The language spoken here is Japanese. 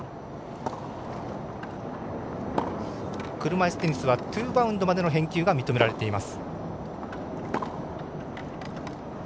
車いすテニスはツーバウンドまでの返球が認められています。